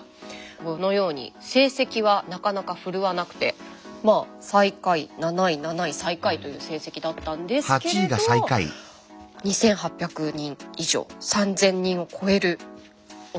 このように成績はなかなか振るわなくて最下位７位７位最下位という成績だったんですけれど２，８００人以上３，０００人を超えるお客さんがちゃんと入ってる。